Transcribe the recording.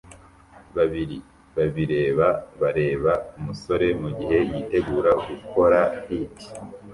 Babiri babireba bareba umusore mugihe yitegura gukora hit